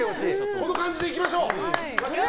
この感じでいきましょう！